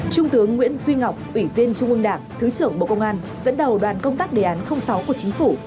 trung tướng nguyễn duy ngọc ủy viên trung ương đảng thứ trưởng bộ công an dẫn đầu đoàn công tác đề án sáu của chính phủ